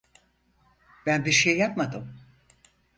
Ben bir şey yapmadım.